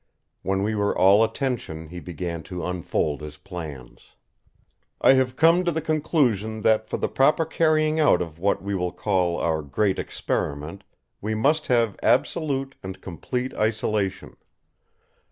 When we were all attention he began to unfold his plans: "I have come to the conclusion that for the proper carrying out of what we will call our Great Experiment we must have absolute and complete isolation.